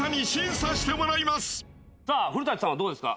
古さんはどうですか？